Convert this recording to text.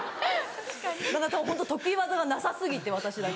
ホント得意技がなさ過ぎて私だけ。